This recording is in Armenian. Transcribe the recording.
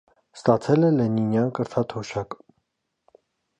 Ստացել է լենինյան կրթաթոշակ։